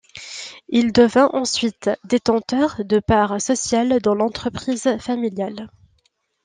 Il devint ensuite détenteur de parts sociales dans l'entreprise familiale.